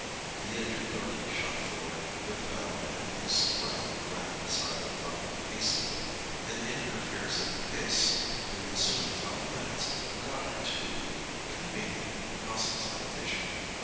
The injured Darkie shot forward with a bound, and Mrs. Brown grabbed the side of the buggy hastily, and in her fears at the pace for the ensuing five minutes forgot her too inconvenient cross examination.